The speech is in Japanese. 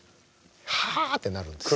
はあってなるんですよ。